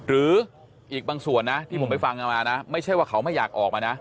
หรืออีกบางส่วนนะที่ผมไปฟังกันมานะไม่ใช่ว่าเขาไม่อยากออกมานะ